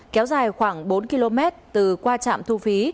kéo dài khoảng bốn km từ qua trạm thu phí